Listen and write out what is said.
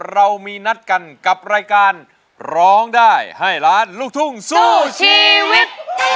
เรามีนัดกันกับรายการร้องได้ให้ล้านลูกทุ่งสู้ชีวิต